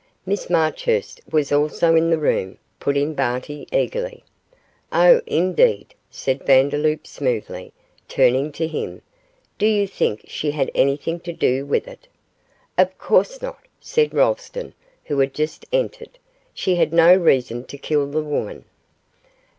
'Miss Marchurst was also in the room,' put in Barty, eagerly. 'Oh, indeed!' said Vandeloup, smoothly, turning to him; 'do you think she had anything to do with it?' 'Of course not,' said Rolleston, who had just entered, 'she had no reason to kill the woman.